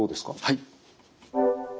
はい。